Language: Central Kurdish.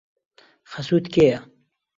خەسووت کێیە؟